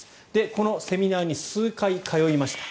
このセミナーに数回、通いました。